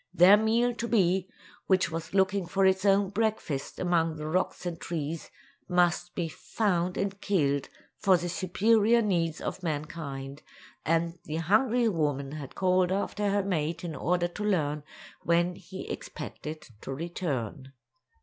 Their meal to be, which was looking for its own breakfast among the rocks and trees, must be found and killed for the superior needs of mankind, and the hungry woman had called after her mate in order to learn when he expected to return.